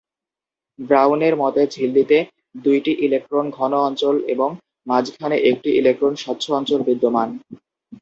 ব্রাউনের মতে, ঝিল্লিতে দুইটি ইলেকট্রন ঘন অঞ্চল এবং মাঝখানে একটি ইলেকট্রন স্বচ্ছ অঞ্চল বিদ্যমান।